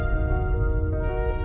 tidak ada yang bisa dipercaya